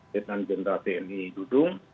letnan jenderal tni dudung